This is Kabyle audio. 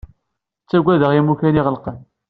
Ttagadeɣ imukan iɣelqen.